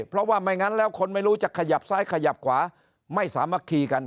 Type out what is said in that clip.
เพราะว่าไม่งั้นแล้วคนไม่รู้จะขยับซ้ายขยับขวาไม่สามารถคีกัน